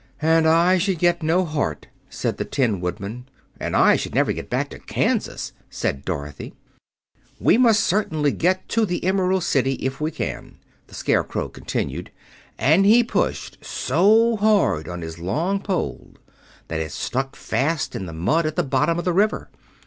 "And I should get no heart," said the Tin Woodman. "And I should never get back to Kansas," said Dorothy. "We must certainly get to the Emerald City if we can," the Scarecrow continued, and he pushed so hard on his long pole that it stuck fast in the mud at the bottom of the river.